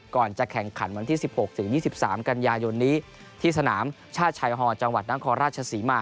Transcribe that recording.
ก่อนจะแข่งขันวันที่๑๖๒๓กันยายนนี้ที่สนามชาติชายฮอจังหวัดนครราชศรีมา